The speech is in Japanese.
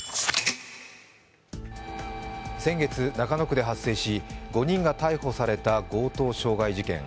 先月、中野区で発生し、５人が逮捕された強盗傷害事件。